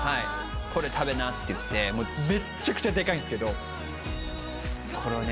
「これ食べな」っていってめっちゃくちゃでかいんですけどこれをね